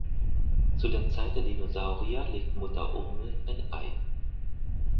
Zu der Zeit der Dinosaurier legt "Mutter Urmel" ein Ei.